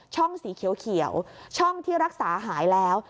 สีเขียวช่องที่รักษาหายแล้ว